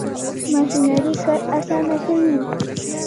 ماشینري کار اسانه کوي.